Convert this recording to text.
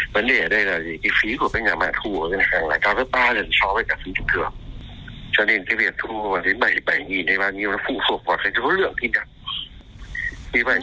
vấn đề ở đây là cái phí của các nhà mạng thu của ngân hàng là cao gấp ba lần so với cả phí thịnh thường